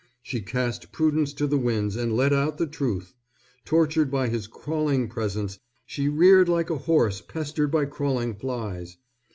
She cast prudence to the winds and let out the truth. Tortured by his crawling presence she reared like a horse pestered by crawling flies.